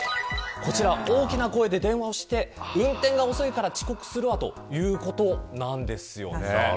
大きな声で電話をして運転が遅いから遅刻するわということなんです。